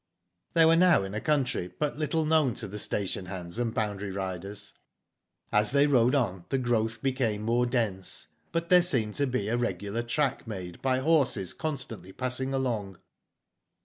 " They were now in a country but little known to the station hands and boundary riders. As they rode on the growth became more dense, but there seemed to be a regular track made by horses constantly passing along.